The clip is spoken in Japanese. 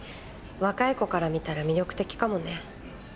若い子から見たら魅力的かもね。